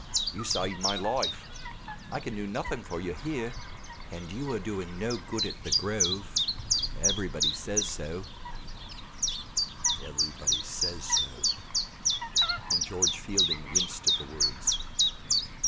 "You saved my life I can do nothing for you here and you are doing no good at 'The Grove' everybody says so ("everybody says so!" and George Fielding winced at the words).